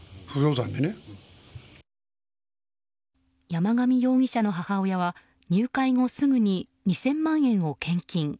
山上容疑者の母親は入会後すぐに２０００万円を献金。